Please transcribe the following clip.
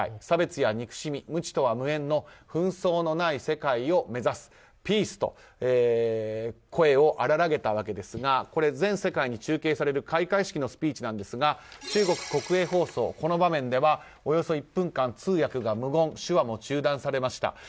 差別や憎しみ、無知とは無縁の紛争のない世界を目指すピース！と声を荒らげたわけですが全世界に中継される開会式のスピーチですが中国国営放送、この場面ではおよそ１分間、通訳が無言手話も中断されました。